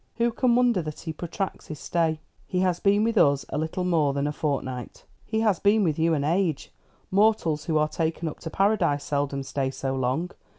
Who can wonder that he protracts his stay?" "He has been with us a little more than a fortnight." "He has been with you an age. Mortals who are taken up to Paradise seldom stay so long.